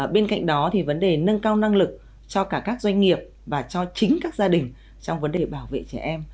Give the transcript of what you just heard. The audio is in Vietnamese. bên cạnh đó vấn đề nâng cao năng lực cho cả các doanh nghiệp và cho chính các gia đình trong vấn đề bảo vệ trẻ em